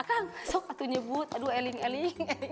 akang sok aku nyebut aduh eling eling